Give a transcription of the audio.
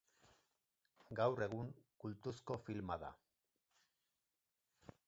Gaur egun kultuzko filma da.